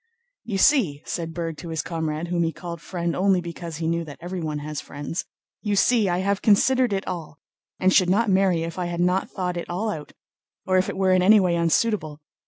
"You see," said Berg to his comrade, whom he called "friend" only because he knew that everyone has friends, "you see, I have considered it all, and should not marry if I had not thought it all out or if it were in any way unsuitable.